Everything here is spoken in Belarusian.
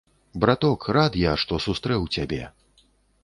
Браток, рад я, што сустрэў цябе.